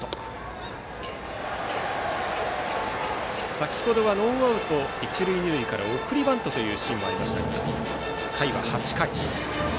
先程はノーアウト、一塁二塁から送りバントというシーンもありましたが回は８回。